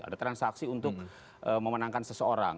ada transaksi untuk memenangkan seseorang